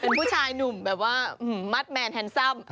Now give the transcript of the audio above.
เป็นผู้ชายหนุ่มแบบว่ามัดแมนแฮนซัม